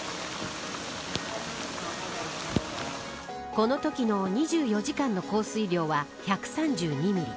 このときの２４時間の降水量は１３２ミリ。